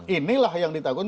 inilah yang ditakutkan